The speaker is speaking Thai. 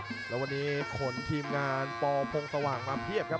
แล้ววันนี้ขนทีมงานปพงสว่างมาเพียบครับ